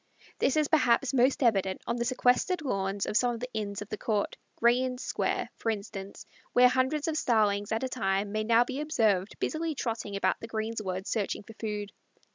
This is perhaps most evident on the sequestered lawns of some of the inns of the court, Gray's Inn Square, for instance, where hundreds of Starlings at a time may now be observed busily trotting about the greensward searching for food.